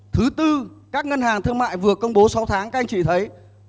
thứ tư các ngân hàng thương mại vừa công bố sáu tháng các anh chị thấy